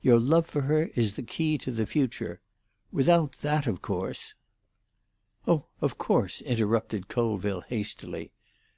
Your love for her is the key to the future. Without that, of course——" "Oh, of course," interrupted Colville hastily.